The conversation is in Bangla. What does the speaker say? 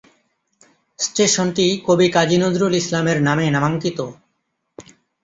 স্টেশনটি কবি কাজী নজরুল ইসলামের নামে নামাঙ্কিত।